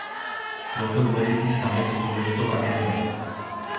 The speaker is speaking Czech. Byl to důležitý summit s důležitou agendou.